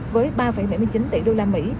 với ba bảy mươi chín tỷ đô la mỹ